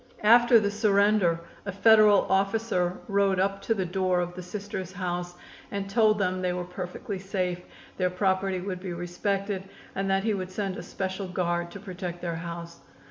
After the surrender a Federal officer rode up to the door of the Sisters' house and told them they were perfectly safe, their property would be respected and that he would send a special guard to protect their house.